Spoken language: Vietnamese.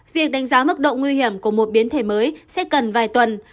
việc đánh giá mức độ nguy hiểm của một biến thể mới sẽ cần vài tuần